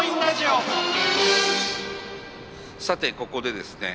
さてここでですね